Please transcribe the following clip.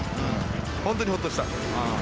本当にほっとした。